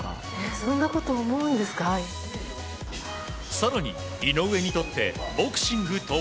更に井上にとってボクシングとは。